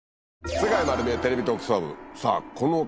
『世界まる見え！テレビ特捜部』さぁ。